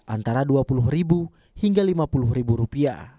antara rp dua puluh hingga rp lima puluh